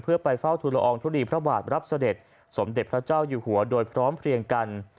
เพื่อไปเฝ้าทุลอองทุลีพระบาทรับเสด็จสมเด็จพระเจ้าอยู่หัวโดยพร้อมเพลียงกัน